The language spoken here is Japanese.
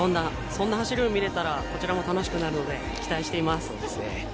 そんな走りを見れたらこちらも楽しくなるので期待しています。